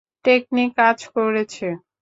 Technique কাজ করেছে।